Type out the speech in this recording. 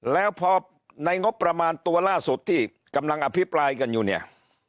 แล้วพอในงบประมาณตัวล่าสุดที่กำลังอภิปรายกันอยู่เนี่ย